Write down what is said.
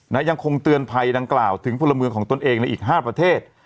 ยังคงเตือนภัยดังกล่าวถึงพลเมืองของตนเองในอีก๕ประเทศ